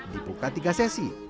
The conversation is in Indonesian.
dibuka tiga sesi